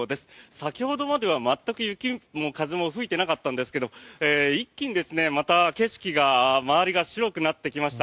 先ほどまでは全く雪も風も吹いていなかったんですけど一気にまた景色が、周りが白くなってきました。